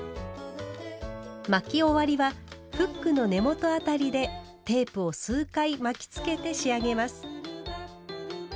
巻き終わりはフックの根元あたりでテープを数回巻きつけて仕上げます。